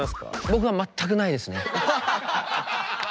僕は全くないですね。